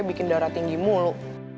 bikin darah tinggi mulu